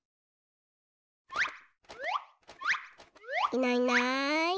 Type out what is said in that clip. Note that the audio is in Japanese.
いないいない。